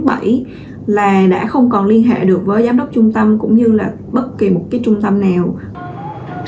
bởi là đã không còn liên hệ được với giám đốc trung tâm cũng như là bất kỳ một cái trung tâm nào